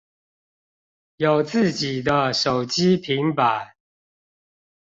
有自己的手機平板